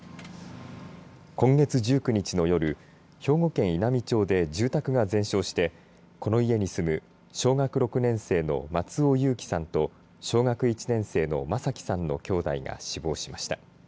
今月１９日の夜兵庫県稲美町で住宅が全焼してこの家に住む小学６年生の松尾侑城さんと小学１年生の眞輝さんの兄弟が死亡しました。